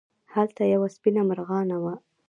هلته یوه سپېنه مرغانه وه.